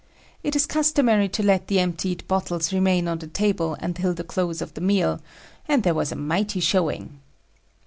It is customary to let the emptied bottles remain on the table until the close of the meal, and there was a mighty showing.